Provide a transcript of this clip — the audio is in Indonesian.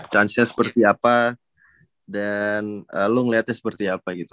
chance nya seperti apa dan lo ngelihatnya seperti apa gitu